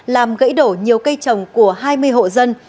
làm gãy đổ nhiều cây trồng của hai mươi hộ dân